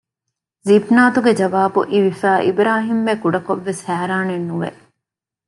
ޒިބްނާތުގެ ޖަވާބު އިވިފައި އިބްރާހީމްބެ ކުޑަކޮށްވެސް ހައިރާނެއްނުވެ